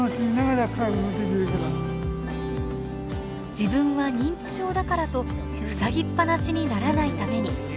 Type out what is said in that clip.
自分は認知症だからとふさぎっぱなしにならないために。